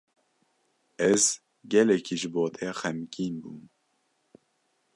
Ez gelekî ji bo te xemgîn bûm.